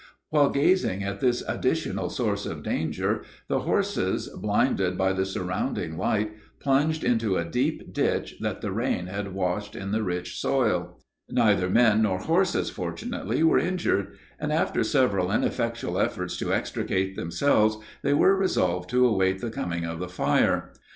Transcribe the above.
While gazing at this additional source of danger, the horses, blinded by the surrounding light, plunged into a deep ditch that the rain had washed in the rich soil. Neither men nor horses, fortunately, were injured; and, after several ineffectual efforts to extricate themselves, they here resolved to await the coming of the fire.